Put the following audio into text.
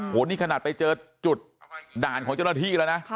โอ้โหนี่ขนาดไปเจอจุดด่านของเจ้าหน้าที่แล้วนะ